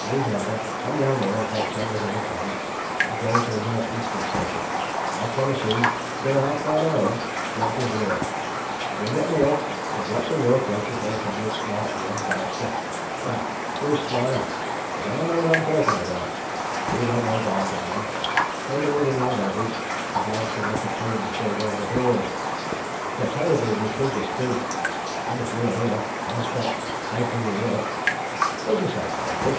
Leave London come down here and take chambers in the town, and go the North Eastern Circuit. I'll promise you for our firm alone plenty of work. You'll get more there's lots of work waiting here for a good, smart young barrister. Ah! you smile, but I know what I'm talking about. You don't know Barford men. They believe in the old adage that one should look at home before going abroad. They're terribly litigious, too, and if you were here, on the spot, they'd give you work. What do you say, Collingwood?"